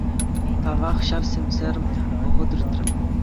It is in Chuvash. Тавах, ҫав сӗмсӗр вӑхӑт иртрӗ.